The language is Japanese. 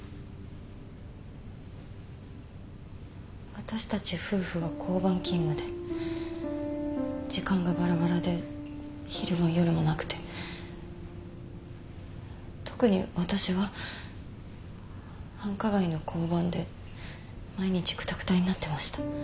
私たち夫婦は交番勤務で時間がバラバラで昼も夜もなくて特に私は繁華街の交番で毎日くたくたになってました。